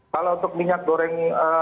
kalau untuk minyak goreng